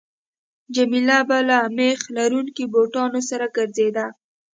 جميله به له میخ لرونکو بوټانو سره ګرځېده.